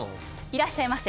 いらっしゃいませ！